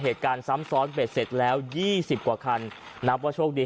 เหตุการณ์ซ้ำซ้อนเบ็ดเสร็จแล้วยี่สิบกว่าคันนับว่าโชคดี